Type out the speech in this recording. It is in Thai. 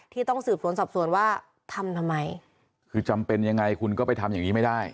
ต้องสืบสวนสอบสวนว่าทำทำไมคือจำเป็นยังไงคุณก็ไปทำอย่างงี้ไม่ได้